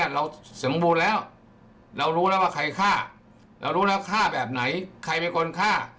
เรารู้แล้วฆ่าแบบไหนใครเป็นคนฆ่า